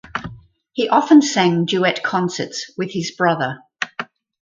He often sang duet concerts with his brother.